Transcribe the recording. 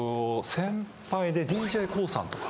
先輩でＤＪＫＯＯさんとか。